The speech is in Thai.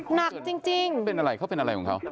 หนักจริงเขาเป็นอะไรของเขา